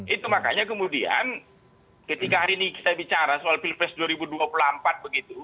itu makanya kemudian ketika hari ini kita bicara soal pilpres dua ribu dua puluh empat begitu